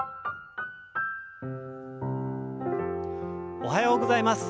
おはようございます。